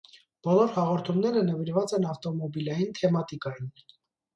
Բոլոր հաղորդումները նվիրված են ավտոմոբիլային թեմատիկային։